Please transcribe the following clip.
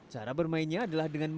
cara bermainnya adalah dengan